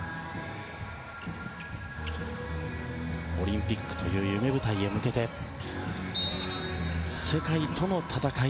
オリンピックという夢舞台へ向けて世界との戦い。